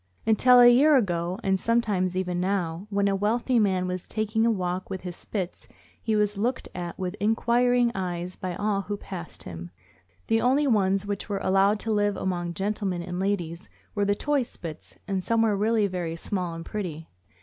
Until a year ago (and sometimes even now), when a wealthy man was taking a walk with his Spits he was looked at with inquiring eyes by all who passed him. The only ones which were allowed to live among gentlemen and ladies (665) THE AMERICAN BOOK OF THE DOG. were the toy Spits, and some were really very small and pretty.